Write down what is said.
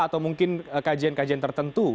atau mungkin kajian kajian tertentu